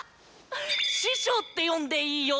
師匠って呼んでいいよ！